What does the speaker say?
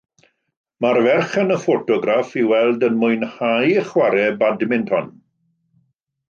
Mae'r ferch yn y ffotograff i weld yn mwynhau chwarae badminton.